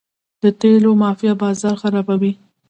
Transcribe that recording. د تیلو مافیا بازار خرابوي.